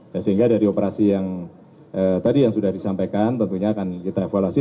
dan sehingga dari operasi yang tadi yang sudah disampaikan tentunya akan kita evaluasi